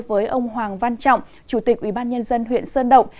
với ông hoàng văn trọng chủ tịch ubnd huyện sơn động